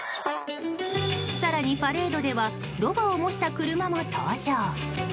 更に、パレードではロバを模した車も登場。